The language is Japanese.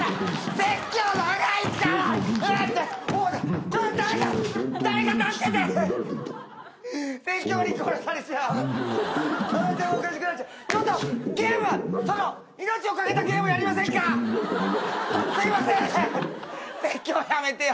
説教やめてよ。